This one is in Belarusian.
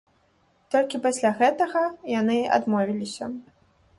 Толькі пасля гэтага яны адмовіліся.